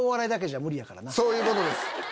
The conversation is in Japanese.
そういうことです。